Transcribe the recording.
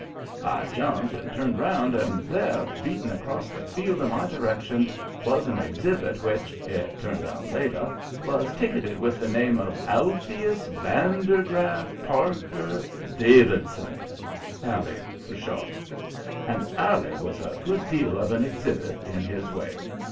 I jumped and turned round, and there, beating across the field in my direction, was an exhibit which, it turned out later, was ticketed with the name of Alpheus Vandergraff Parker Davidson 'Allie' for short. "And Allie was a good deal of an exhibit, in his way.